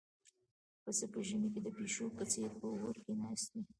پسه په ژمي کې د پيشو په څېر په اور کې ناست و.